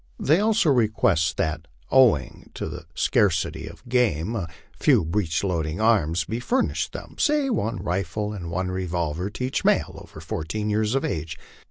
They also request that, owing to the scarcity of game, a few breech loading arms be furnished them, say one rifle and one revolver to each male over fourteen years of age.